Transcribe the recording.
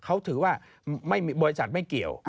เขาถือว่าบริษัทไม่เกี่ยว